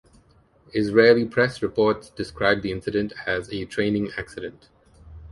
Israeli press reports described the incident as a training accident.